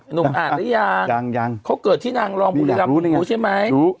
หนุ่มอ่านหรือยังยังเขาเกิดที่นางรองบุรีรำงูใช่ไหม